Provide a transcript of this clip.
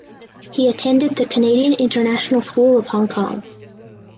He attended the Canadian International School of Hong Kong.